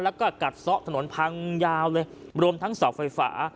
แล้วก็กัดซ่อถนนพังยาวเลยรวมทั้งเสาไฟฟ้า